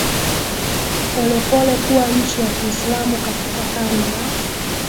polepole kuwa nchi ya Kiislamu Katika karne ya